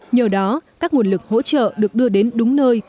nhờ đó các nguồn lực hỗ trợ được đưa đến đúng nơi